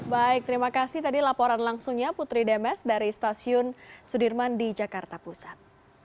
baik terima kasih tadi laporan langsungnya putri demes dari stasiun sudirman di jakarta pusat